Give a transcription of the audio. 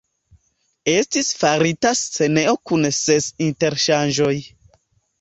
Estis farita scenejo kun ses interŝanĝoj.